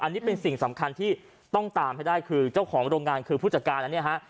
อันนี้เป็นสิ่งสำคัญที่ต้องตามให้ได้คือเจ้าของโรงงานคือผู้จัดการอันนี้ฮะ